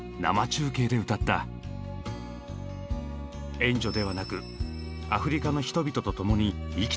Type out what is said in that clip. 「援助ではなくアフリカの人々とともに生きていく」。